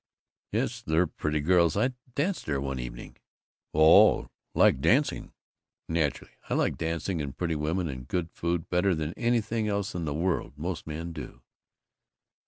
"Yes, they're pretty girls. I danced there one evening." "Oh. Like dancing?" "Naturally. I like dancing and pretty women and good food better than anything else in the world. Most men do."